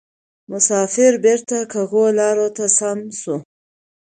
مسافر بیرته کږو لارو ته سم سو